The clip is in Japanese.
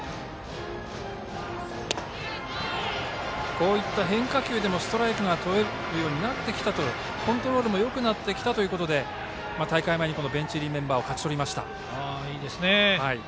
こういった変化球でもストライクがとれるようになってきたとコントロールもよくなってきたということで大会前にベンチ入りメンバーを勝ち取りました。